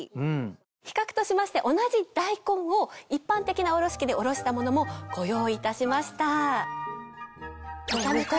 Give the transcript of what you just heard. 比較としまして同じ大根を一般的なおろし器でおろしたものもご用意いたしました。